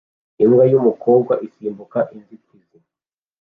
Imbwa yumukobwa isimbuka inzitizi